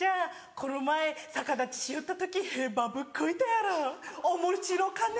この前逆立ちしよった時屁ばぶっこいたやろおもしろかね！」